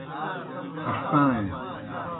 ان٘ݜٹائیں۔